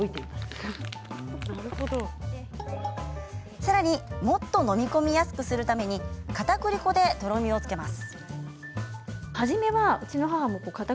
さらに、もっと飲み込みやすくするためにかたくり粉でとろみをつけます。